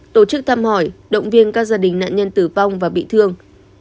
tổ chức thăm hỏi động viên các gia đình nạn nhân tử vong và bị thương